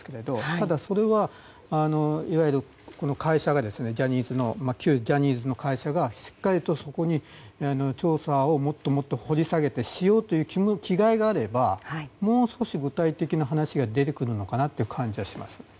ただ、それはいわゆるジャニーズの会社がそこにしっかりと調査を掘り下げてしようという気概があればもう少し具体的な話が出てくるのかなという感じがします。